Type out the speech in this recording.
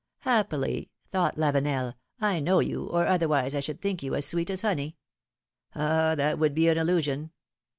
Happily," thought Lavenel, know you — or other wise I should think you as sweet as honey. Ah ! that would be an illusion